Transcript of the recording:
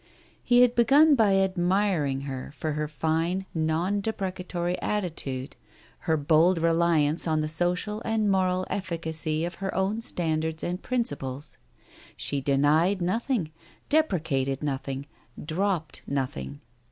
He had begun by admiring her for her fine non depre catory attitude, her bold reliance on the social and moral efficacy of her own standards and principles. She denied nothing, deprecated nothing, dropped nothing.